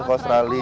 ini kiri australia